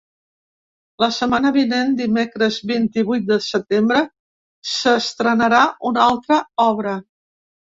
La setmana vinent, dimecres vint-i-vuit de setembre, s’estrenarà una altra obra.